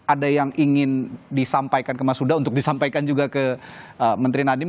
ada yang ingin disampaikan ke mas huda untuk disampaikan juga ke menteri nadiem